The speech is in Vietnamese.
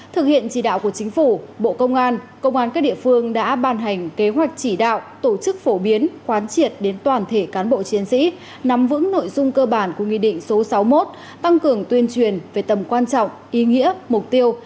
thực hiện chỉ đạo của chính phủ bộ công an công an các địa phương đã ban hành kế hoạch chỉ đạo tổ chức phổ biến khoán triệt đến toàn thể cán bộ chiến sĩ nắm vững nội dung cơ bản của nghị định số sáu mươi một tăng cường tuyên truyền về tầm quan trọng ý nghĩa mục tiêu